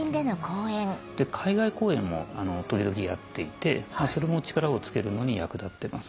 海外公演も時々やっていてそれも力を付けるのに役立ってます。